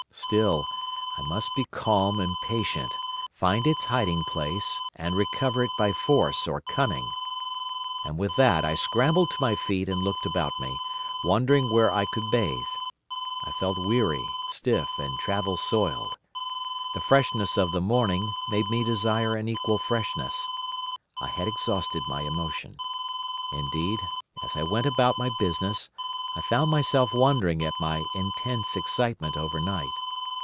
Still, I must be calm and patient, find its hiding place, and recover it by force or cunning. And with that I scrambled to my feet and looked about me, wondering where I could bathe. I felt weary, stiff, and travel soiled. The freshness of the morning made me desire an equal freshness. I had exhausted my emotion. Indeed, as I went about my business, I found myself wondering at my intense excitement overnight.